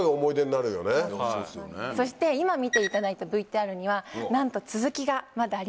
そして今見ていただいたＶＴＲにはなんと続きがまだあります。